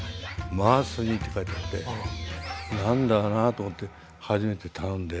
「マース煮」って書いてあって何だろなと思って初めて頼んで。